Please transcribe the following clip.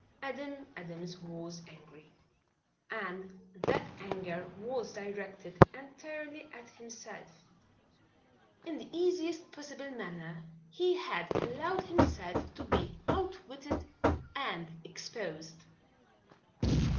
Adam Adams was angry, and that anger was directed entirely at himself. In the easiest possible manner he had allowed himself to be outwitted and exposed.